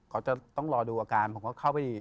เขาจะต้องรอดูอาการผมก็เข้าไป